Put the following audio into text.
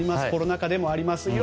コロナ禍でもあります。